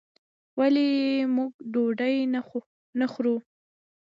ویل یې موږ ډوډۍ نه خورو.